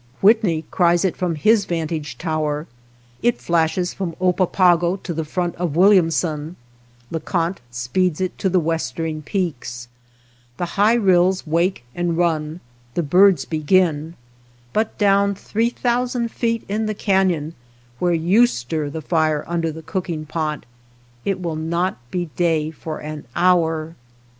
Whitney cries it from his vantage tower; it flashes from Oppa pago to the front of Williamson ; LeConte speeds it to the westering peaks. The high rills wake and run, the birds begin. But down three thousand feet in the canon, where you stir the fire under the cooking pot, it will not be day for an hour.